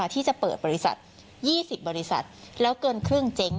ที่จะเปิดบริษัท๒๐บริษัทแล้วเกินครึ่งเจ๊ง